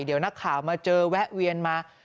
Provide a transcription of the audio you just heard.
เดี๋ยวนักข่าวมาเจอแวะเวียนมา